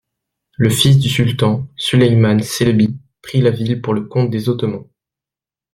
Le fils du sultan, Suleyman Çelebi, prit la ville pour le compte des Ottomans.